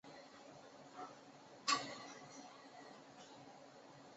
系统最终在墨西哥北部上空快速消散。